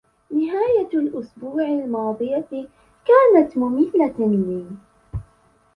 نهاية الإسبوع الماضية كانت مملة لي.